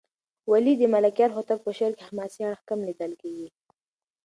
ولې د ملکیار هوتک په شعر کې حماسي اړخ کم لېدل کېږي؟